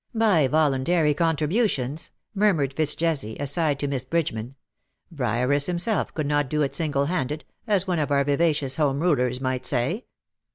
"By voluntary contributions," murmured Fitz Jesse, aside to Miss Bridgeman. " Briareus him self could not do it single handed, as one of our vivacious Home Rulers might say."